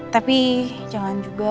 tapi jangan juga